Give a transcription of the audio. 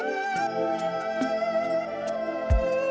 algo yang jauh ke arah datang